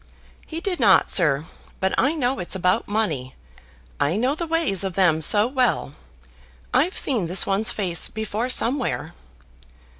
"He did not, sir; but I know it's about money. I know the ways of them so well. I've seen this one's face before somewhere."